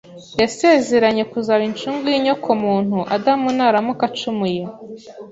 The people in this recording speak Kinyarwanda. yasezeranye kuzaba inshungu y’inyokomuntu, Adamu naramuka acumuye